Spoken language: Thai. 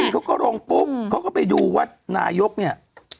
เขาก็ลงปุ๊บเขาก็ไปดูว่านายกเนี่ย